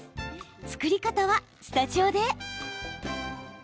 作り方はスタジオで。